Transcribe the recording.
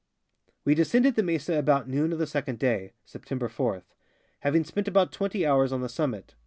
We descended the mesa about noon of the second day (Sep tember 4), having spent about 20 hours on the summit.